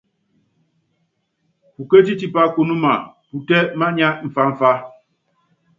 Pukétí tipá kunúma putɛ́ mánya mfamfa.